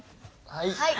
はい。